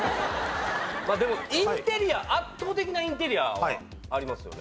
でもインテリア圧倒的なインテリアはありますよね。